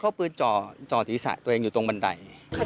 เอาปืนจ่อศีรษะตัวเองอยู่ตรงบันได